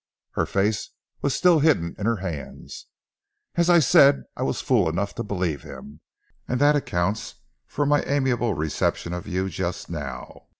Her face was still hidden in her hands. "As I said, I was fool enough to believe him, and that accounts for my amiable reception of you just now.